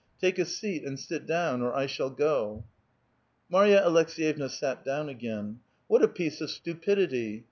Take a seat, and sit down, or I shall go." Marya Aleks<;»yevna sat down again. "What a piece of stupidity